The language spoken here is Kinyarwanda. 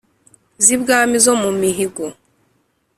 z’ibwami zo mu mihango)